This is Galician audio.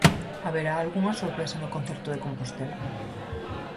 Haberá algunha sorpresa no concerto de Compostela?